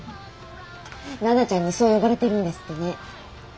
奈々ちゃんにそう呼ばれてるんですってね。